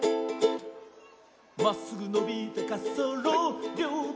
まっすぐのびたかっそうろりょうて